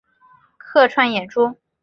客串演出